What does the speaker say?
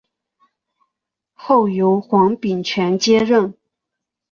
后由黄秉权接任。